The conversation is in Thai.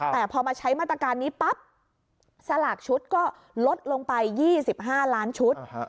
แต่พอมาใช้มาตรการนี้ปั๊บสลากชุดก็ลดลงไป๒๕ล้านชุด